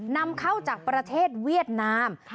นำเข้าจากประเทศเวียดนาม